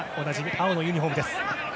青のユニホームです。